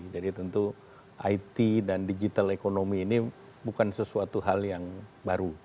jadi tentu it dan digital economy ini bukan sesuatu hal yang baru